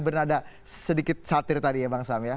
bernada sedikit satir tadi ya bang sam ya